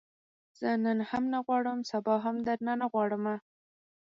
زه نن هم نه غواړم، سبا هم درنه نه غواړمه